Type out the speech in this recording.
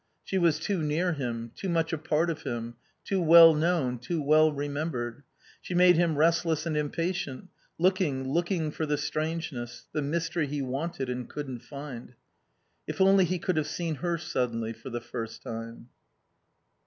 She was too near him, too much a part of him, too well known, too well remembered. She made him restless and impatient, looking, looking for the strangeness, the mystery he wanted and couldn't find. If only he could have seen her suddenly for the first time.